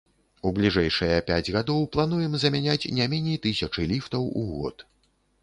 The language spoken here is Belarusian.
У бліжэйшыя пяць гадоў плануем замяняць не меней тысячы ліфтаў у год.